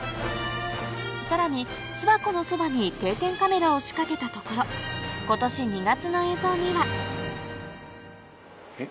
さらに巣箱のそばに定点カメラを仕掛けたところ今年２月の映像にはえっ？